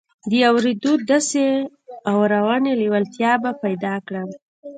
د اورېدو داسې اورنۍ لېوالتیا به پيدا کړم.